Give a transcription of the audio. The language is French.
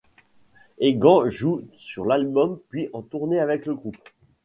Egan joue sur l'album puis en tournée avec le groupe.